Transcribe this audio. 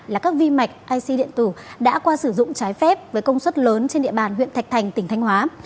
là các vi mạch ic điện tử đã qua sử dụng trái phép với công suất lớn trên địa bàn huyện thạch thành tỉnh thanh hóa